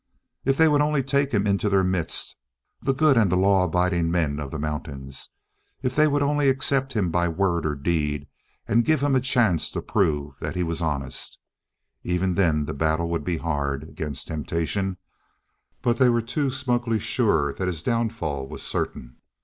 If they would only take him into their midst, the good and the law abiding men of the mountains! If they would only accept him by word or deed and give him a chance to prove that he was honest! Even then the battle would be hard, against temptation; but they were too smugly sure that his downfall was certain.